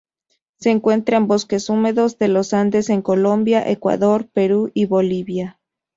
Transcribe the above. Se encuentra en bosques húmedos de los Andes en Colombia, Ecuador, Perú y Bolivia.